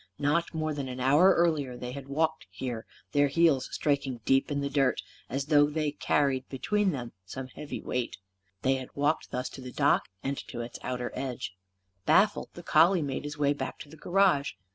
Not more than an hour earlier they had walked here, their heels striking deep in the dirt, as though they carried between them some heavy weight. They had walked thus to the dock and to its outer edge. Baffled, the collie made his way back to the garage.